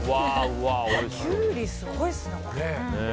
キュウリすごいですね、これ。